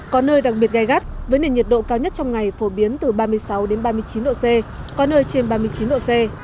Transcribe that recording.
có nơi đặc biệt gai gắt với nền nhiệt độ cao nhất trong ngày phổ biến từ ba mươi sáu ba mươi chín độ c có nơi trên ba mươi chín độ c